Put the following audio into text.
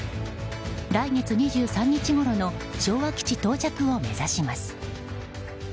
来月２３日ごろの昭和基地到着を目指します。